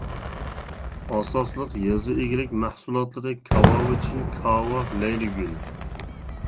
ئاساسلىق يېزا ئىگىلىك مەھسۇلاتلىرى كاۋاۋىچىن، كاۋا، لەيلىگۈل.